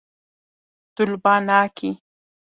Tu li ba nakî.